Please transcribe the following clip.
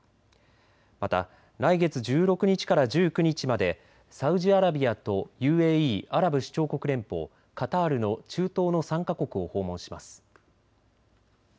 また来月１６日から１９日までサウジアラビアとＵＡＥ・アラブ首長国連邦、カタールの中東の３か国を訪問します。